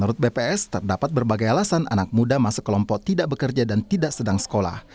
menurut bps terdapat berbagai alasan anak muda masuk kelompok tidak bekerja dan tidak sedang sekolah